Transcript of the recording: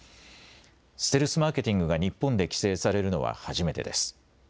ステルスマーケティングが日本で規制されるのは初めてです。